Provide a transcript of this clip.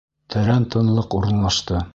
Тәрән тынлыҡ урынлашты.